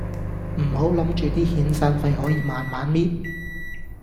唔好諗住啲遣散費可以慢慢搣